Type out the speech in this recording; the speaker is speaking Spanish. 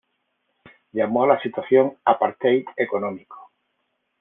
Llamó a la situación "apartheid económico".